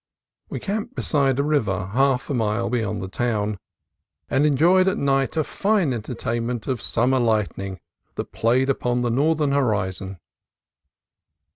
We camped beside the river half a mile beyond the town, and enjoyed at night a fine entertainment of sum mer lightning that played along the northern hori zon.